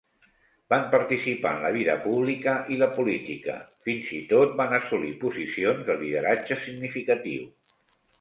Van participar en la vida pública i la política, fins i tot van assolir posicions de lideratge significatiu.